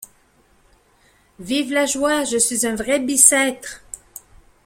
Vive la joie! je suis un vrai Bicêtre !